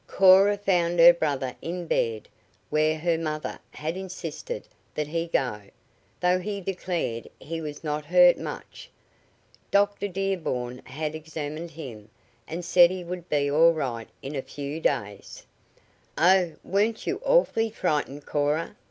Cora found her brother in bed, where her mother had insisted that he go, though he declared he was not hurt much. Dr. Dearborn had examined him, and said he would be all right in a few days. "Oh, weren't you awfully frightened, Cora?"